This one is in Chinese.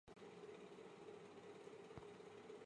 薄瓣节节菜为千屈菜科节节菜属下的一个种。